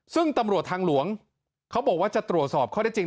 ซึ่งตำรวจทางหลวงเขาบอกว่าจะตรวจสอบข้อได้จริง